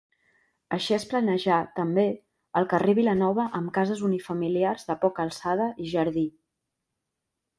Així es planejà, també, el carrer Vilanova amb cases unifamiliars de poca alçada i jardí.